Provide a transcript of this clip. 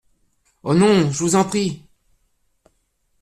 Oh ! non, je vous en prie !…